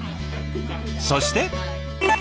そして。